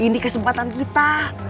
ini kesempatan kita